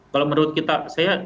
kalau menurut kita